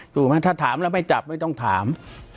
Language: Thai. ถ้าถามแล้วไม่จับไม่ต้องถาม